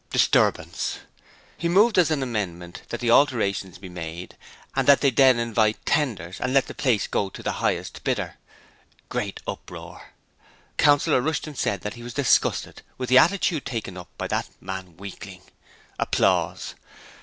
(Disturbance.) He moved as an amendment that the alterations be made, and that they then invite tenders, and let the place to the highest bidder. (Great uproar.) Councillor Rushton said he was disgusted with the attitude taken up by that man Weakling.